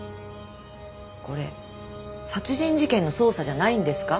これ殺人事件の捜査じゃないんですか？